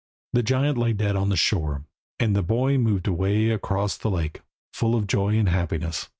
The giant lay dead on the shore, and the boy moved away across the lake, full of joy and happiness.